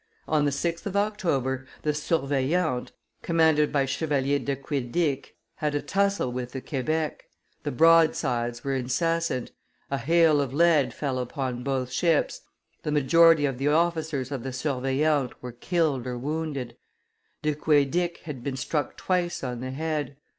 On the 6th of October, the Surveillante, commanded by Chevalier du Couedic, had a tussle with the Quebec; the broadsides were incessant, a hail of lead fell upon both ships, the majority of the officers of the Surveillante were killed or wounded. Du Couedic had been struck twice on the head.